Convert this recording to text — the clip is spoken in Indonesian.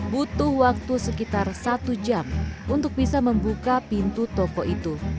butuh waktu sekitar satu jam untuk bisa membuka pintu toko itu